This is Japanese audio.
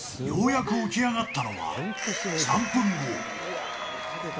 ようやく起き上がったのは、３分後。